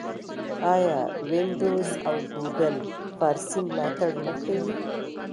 آیا وینډوز او ګوګل فارسي ملاتړ نه کوي؟